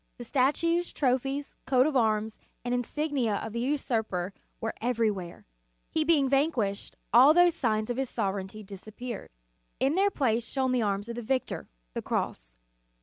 The statues, trophies, coat of arms, and insignia of the usurper were everywhere. He being vanquished, all those signs of his sovereignty disappeared. In their place shone the arms of the Victor, the cross.